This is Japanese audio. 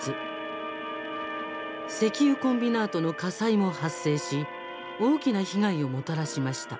石油コンビナートの火災も発生し大きな被害をもたらしました。